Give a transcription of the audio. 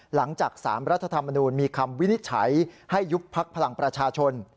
หลังจาก๓รัฐธรรมนูญมีคำวินิจฉัยให้ยุบพักพลังประชาชน